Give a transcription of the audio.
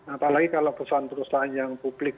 apalagi kalau perusahaan perusahaan yang publik